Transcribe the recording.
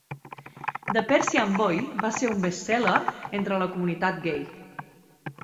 The Persian Boy va ser un best-seller entre la comunitat gai.